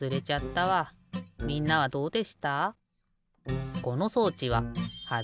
みんなはどうでした？